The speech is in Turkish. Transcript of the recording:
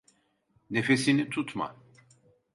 Nefesini tutma.